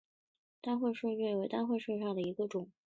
单穗桤叶树为桤叶树科桤叶树属下的一个种。